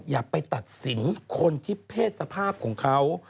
อย่าไปตัดสินคนที่เพศสภาพของเขา